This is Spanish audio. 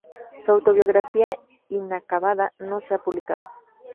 Su autobiografía inacabada no se ha publicado.